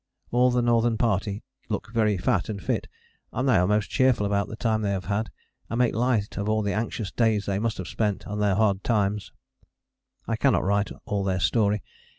All the Northern Party look very fat and fit, and they are most cheerful about the time they have had, and make light of all the anxious days they must have spent and their hard times. I cannot write all their story.